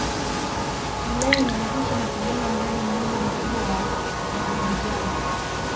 Wilaya imeanzisha na kujenga mradi mmoja mkubwa wa umwagiliaji